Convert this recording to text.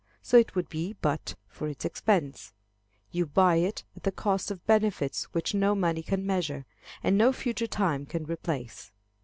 So it would be but for its expense. You buy it at the cost of benefits which no money can measure, and no future time can replace.